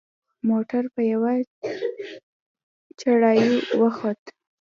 موټر په یوه چړهایي وخوت.